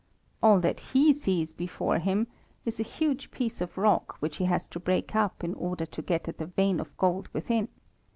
All that he sees before him is a huge piece of rock which he has to break up in order to get at the vein of gold within.